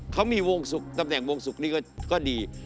เขามีวงสุขตำแหน่งวงศุกร์นี้ก็ดี